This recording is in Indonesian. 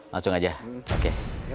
langsung aja oke